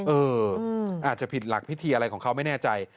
อาจจะผิดหลักพิธีอะไรของเขาไม่แน่ใจ